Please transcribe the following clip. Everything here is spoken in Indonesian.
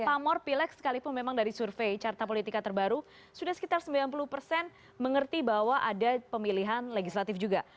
pamor pilek sekalipun memang dari survei carta politika terbaru sudah sekitar sembilan puluh persen mengerti bahwa ada pemilihan legislatif juga